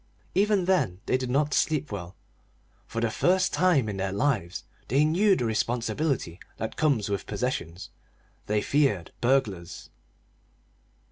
Even then they did not sleep well: for the first time in their lives they knew the responsibility that comes with possessions; they feared burglars.